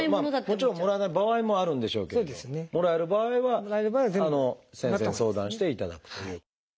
もちろんもらえない場合もあるんでしょうけれどもらえる場合は先生に相談して頂くという。